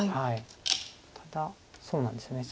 ただそうなんですよね